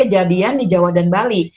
jadian di jawa dan bali